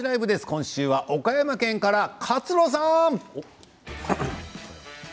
今週は岡山県から、勝呂さん！